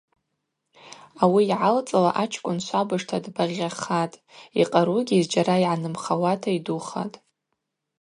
Ауи йгӏалцӏла ачкӏвын швабыжта дбагъьахатӏ, йкъаругьи зджьара йгӏанымхауата йдухатӏ.